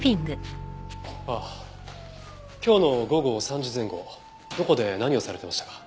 今日の午後３時前後どこで何をされてましたか？